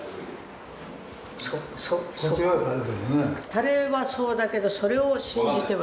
垂れはそうだけどそれを信じては。